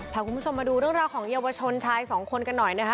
พาคุณผู้ชมมาดูเรื่องราวของเยาวชนชายสองคนกันหน่อยนะคะ